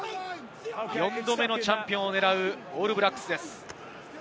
４度目のチャンピオンを狙うオールブラックスです。